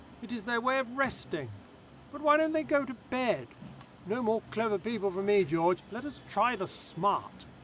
It is their way of resting. But why don't they go to bed? No more clever people for me, George. Let us try the smart.